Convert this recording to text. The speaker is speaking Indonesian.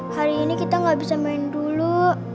hari ini kita nggak bisa main dulu